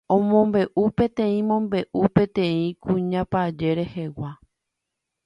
Omombe'u peteĩ mombe'u peteĩ kuñapaje rehegua